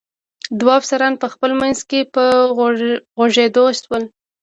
دوه افسران په خپل منځ کې په وږغېدو شول.